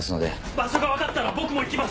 場所が分かったら僕も行きます！